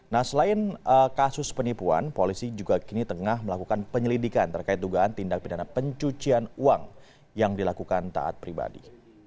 nah selain kasus penipuan polisi juga kini tengah melakukan penyelidikan terkait dugaan tindak pidana pencucian uang yang dilakukan taat pribadi